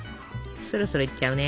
そろそろいっちゃうね。